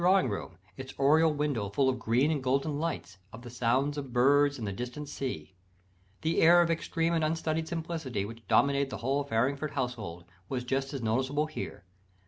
] Tea was served in the drawing room, "its oriel window full of green and golden lights, of the sounds of birds and of the distant sea." The air of extreme and unstudied simplicity, which dominated the whole Farringford household, was just as noticeable here.